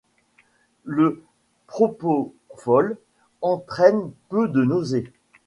Le propofol entraîne peu de nausées.